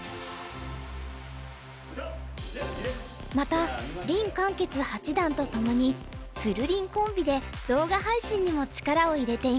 また林漢傑八段とともにつるりんコンビで動画配信にも力を入れています。